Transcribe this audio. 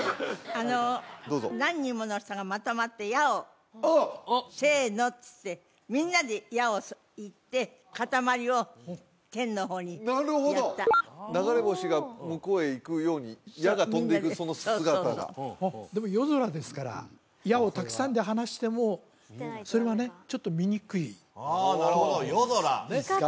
あの何人もの人がまとまって矢を「せの」っつってみんなで矢を射って塊を天の方にやったなるほど流れ星が向こうへ行くように矢が飛んでいくその姿がでも夜空ですから矢をたくさんで放してもそれはねちょっと見にくいあなるほど夜空いいですか？